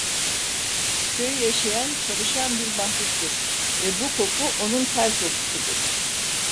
Köy yaşayan, çalışan bir mahluktur ve bu koku onun ter kokusudur.